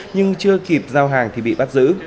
nhưng chưa kịp giao hàng thì bị bắt giữ